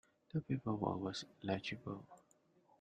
The paperwork was legible.